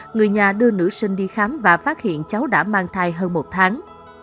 người nhà đưa nữ sinh đi khám và phát hiện cháu đã mang thai hơn một tháng